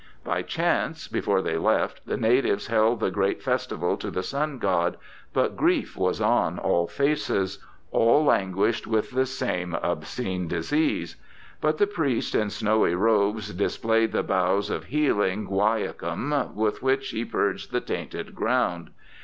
By chance, before they left the natives held the great festival to the Sun God, but grief was on all faces —' all languished with the same obscene disease '; but the priest in snowy robes displayed the boughs of healing guaiacum with which he purged the tainted ground.